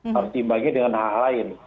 harus diimbangi dengan hal lain